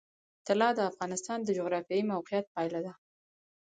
طلا د افغانستان د جغرافیایي موقیعت پایله ده.